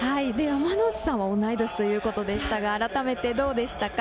山之内さんは同い年でしたが、改めてどうでしたか？